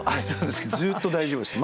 ずっと大丈夫です。